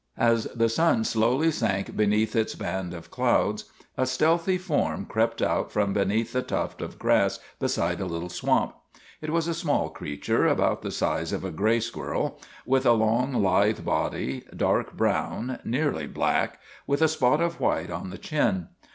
As the sun slowly sank beneath its band of clouds a stealthy form crept out from beneath a tuft of grass beside a little swamp. It was a small creature, about the size of a gray squirrel, with a long, lithe body, dark brown, nearly black, with a spot of white on the chin.